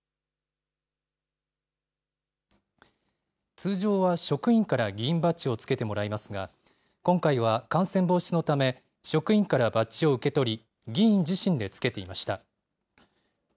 通常は職員から議員バッジを着けてもらいますが、今回は感染防止のため、職員からバッジを受け取り、議員自身で着けていました。